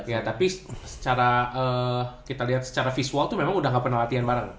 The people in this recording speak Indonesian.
ya tapi secara kita lihat secara visual tuh memang udah gak pernah latihan bareng